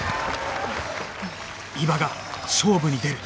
伊庭が勝負に出る